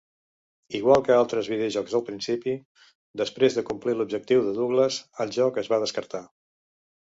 Igual que altres videojocs del principi, després de complir l'objectiu de Douglas, el joc es va descartar.